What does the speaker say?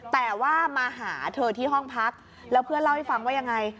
แต่ว่ามาหาเธอที่ห้องพักแล้วเพื่อนเล่าให้ฟังว่ายังไง